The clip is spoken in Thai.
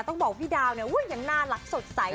ต้องบอกพี่ดาวเนี่ยยังน่ารักสดใส